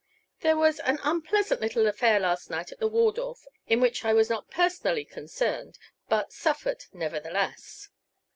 There was an unpleasant little affair last night at the Waldorf, in which I was not personally concerned, but suffered, nevertheless.